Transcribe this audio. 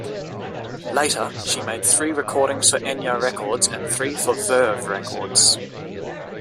Later, she made three recordings for Enja Records and three for Verve Records.